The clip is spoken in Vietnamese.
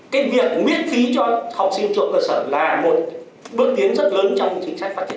cái việc miễn phí cho học sinh trung học cơ sở là một bước tiến rất lớn trong chính sách phát triển